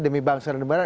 demi bangsa dan negara